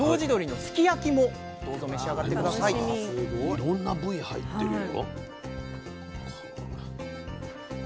いろんな部位入ってるよ。